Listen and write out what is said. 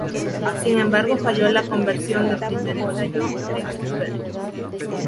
Sin embargo falló la conversión del primer ensayo de Cuthbert.